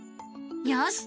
よし！